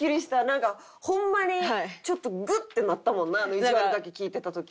なんかホンマにちょっとグッてなったもんなあのいじわるだけ聞いてた時。